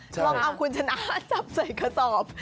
ลองเอาคุณชนะจับใส่กระสอบ